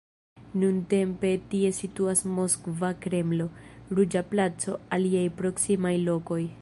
Nuntempe tie situas Moskva Kremlo, Ruĝa placo, aliaj proksimaj lokoj.